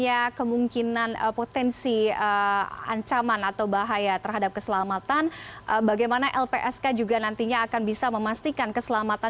oke melihat adanya kemungkinan potensi ancaman atau bahaya terhadap keselamatan bagaimana lpsk juga nantinya akan bisa memastikan keselamatan baradae di sini